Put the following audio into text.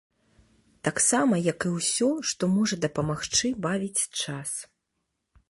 Таксама як і ўсё, што можа дапамагчы бавіць час.